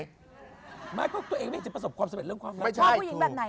หมายความคิดว่าตัวเองนี่จะประสบความสำเร็จเรื่องความรัก